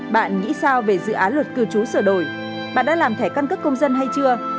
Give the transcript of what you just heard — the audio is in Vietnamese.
bạn nghĩ sao về dự án luật cư trú sửa đổi bạn đã làm thẻ căn cước công dân hay chưa